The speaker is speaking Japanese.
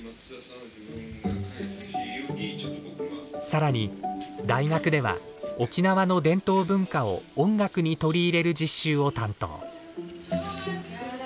更に大学では沖縄の伝統文化を音楽に取り入れる実習を担当。